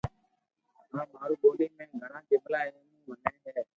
آ مارو ٻولي ۾ گھڙا جملا اي مون ٺي ھي